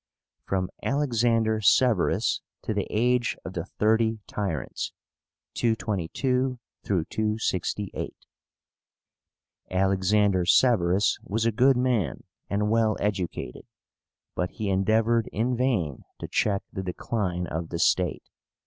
FROM ALEXANDER SEVERUS TO THE AGE OF THE THIRTY TYRANTS (222 268). ALEXANDER SEVÉRUS was a good man, and well educated. But he endeavored in vain to check the decline of the state.